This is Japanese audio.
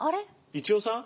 一葉さん？